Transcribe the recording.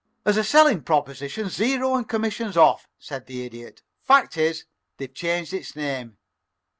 "As a selling proposition, zero and commissions off," said the Idiot. "Fact is, they've changed its name.